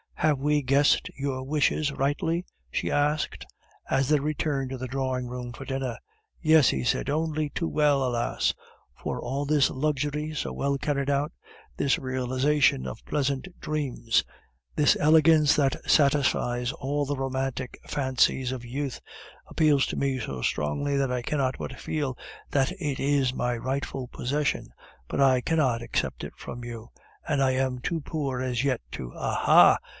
"Have we guessed your wishes rightly?" she asked, as they returned to the drawing room for dinner. "Yes," he said, "only too well, alas! For all this luxury so well carried out, this realization of pleasant dreams, the elegance that satisfies all the romantic fancies of youth, appeals to me so strongly that I cannot but feel that it is my rightful possession, but I cannot accept it from you, and I am too poor as yet to " "Ah! ah!